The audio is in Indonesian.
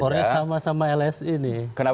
kornya sama sama elemen